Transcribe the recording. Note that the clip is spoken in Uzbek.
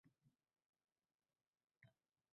ismingga borar yoʼllar